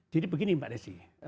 jadi begini mbak desi